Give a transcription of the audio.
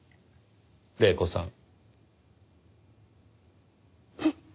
黎子さん。